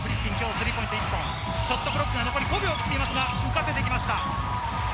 ショットクロックが残り５秒を切っていますが浮かせてきました。